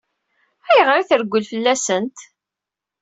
Ayɣer i treggel fell-asent?